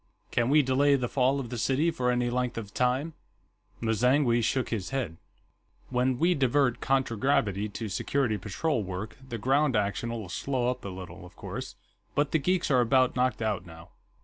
Can we delay the fall of the city for any length of time?" M'zangwe shook his head. "When we divert contragravity to security patrol work, the ground action'll slow up a little, of course. But the geeks are about knocked out, now."